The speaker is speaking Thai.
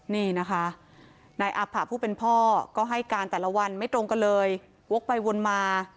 นี่นะคะนายอาผะผู้เป็นพ่อก็ให้การแต่ละวันไม่ตรงกันเลยวกไปวนมา